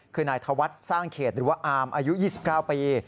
คือนายธวัฒน์สร้างเขตหรือว่าอามอายุ๒๙ปี